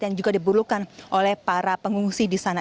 yang juga diperlukan oleh para pengungsi di sana